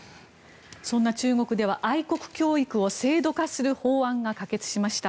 そんな中国では愛国教育を制度化する法案が可決しました。